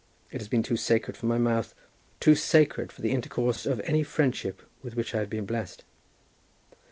It has been too sacred for my mouth, too sacred for the intercourse of any friendship with which I have been blessed.